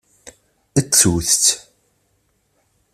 Ttut-tt!